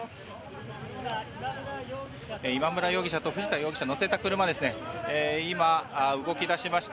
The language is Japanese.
今村容疑者と藤田容疑者を乗せた車が今、動き出しました。